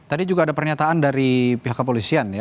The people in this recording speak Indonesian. tadi juga ada pernyataan dari pihak kepolisian ya